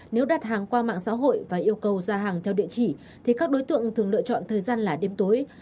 nếu đặt hàng qua mạng xã hội và yêu cầu ra hàng theo địa chỉ thì các đối tượng thường lựa chọn thời gian là đêm tối